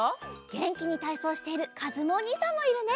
げんきにたいそうしているかずむおにいさんもいるね。